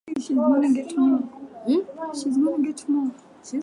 haya nitafute bwana nakushukuru sana asante sana mzee makamba